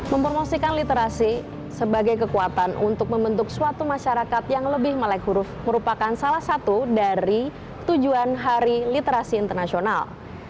mempromosikan literasi sebagai kekuatan untuk membentuk suatu masyarakat yang lebih melek huruf merupakan salah satu dari tujuan hari literasi internasional